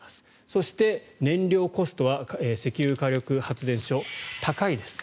そして、燃料コストは石油火力発電所、高いです。